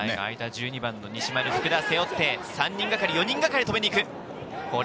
１２番・西丸、福田背負って、３人がかり、４人がかりで止めに行く。